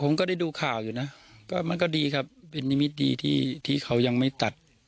ผมก็ได้ดูข่าวอยู่นะก็มันก็ดีครับเป็นนิมิตดีที่ที่เขายังไม่ตัด